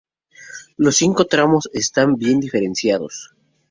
Los cincos tramos están bien diferenciados.